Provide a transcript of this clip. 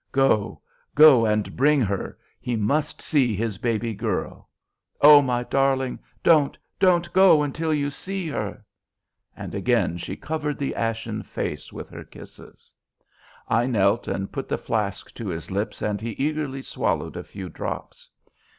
Go go and bring her. He must see his baby girl. Oh, my darling, don't don't go until you see her." And again she covered the ashen face with her kisses. I knelt and put the flask to his lips and he eagerly swallowed a few drops.